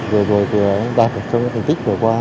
rồi rồi đạt được trong những thành tích vừa qua